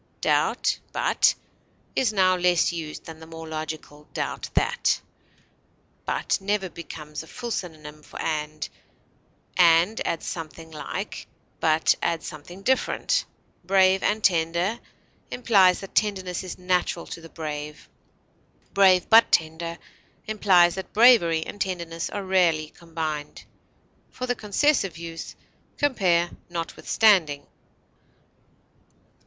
"Doubt but" is now less used than the more logical "doubt that." But never becomes a full synonym for and; and adds something like, but adds something different; "brave and tender" implies that tenderness is natural to the brave; "brave but tender" implies that bravery and tenderness are rarely combined. For the concessive use, compare NOTWITHSTANDING.